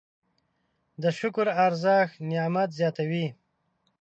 د شکر ارزښت نعمت زیاتوي.